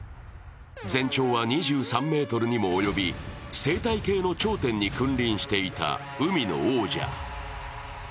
全長は２３ｍにも及び生態系の頂点に君臨していた海の王者。